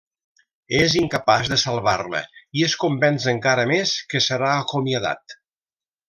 És incapaç de salvar-la i es convenç encara més que serà acomiadat.